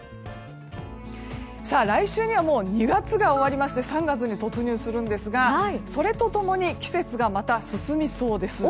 来週には２月が終わりまして３月に突入するんですがそれと共に季節がまた進みそうです。